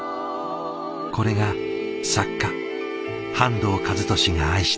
これが作家半藤一利が愛した昼ごはん。